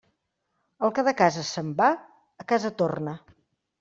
El que de casa se'n va, a casa torna.